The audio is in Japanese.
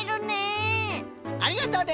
ありがとね！